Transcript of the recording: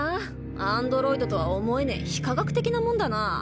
アンドロイドとは思えねえ非科学的なもんだなぁ。